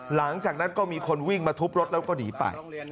หลังจากนั้นก็มีคนวิ่งมาทุบรถแล้วก็หนีไป